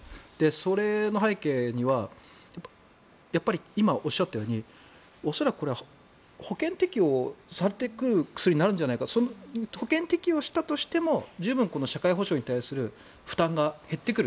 その背景にはやっぱり今おっしゃったように恐らくこれは保険適用されてくる薬になるんじゃないか保険適用したとしても十分社会保障に対する負担が減ってくる。